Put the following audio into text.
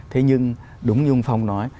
thế nhưng đúng như ông phong nói